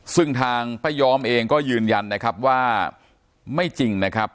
ซึ่งทางป้าย้อมเองก็ยืนยันนะครับว่าไม่จริงนะครับ